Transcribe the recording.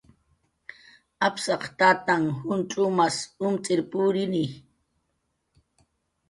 Apsaq tananh juncx'umas umt'ir purini